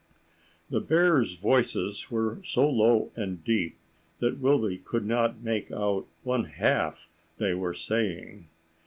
The bears' voices were so low and deep that Wilby could not make out one half they were saying.